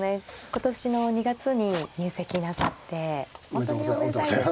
今年の２月に入籍なさって本当におめでたいですね。